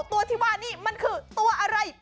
ตัวที่ว่านี่มันคือตัวอะไร